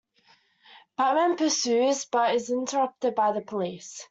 Batman pursues but is interrupted by the police.